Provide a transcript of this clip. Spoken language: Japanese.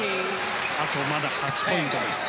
あとまだ８ポイントです。